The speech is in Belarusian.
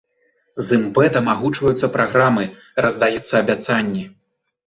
З імпэтам агучваюцца праграмы, раздаюцца абяцанні.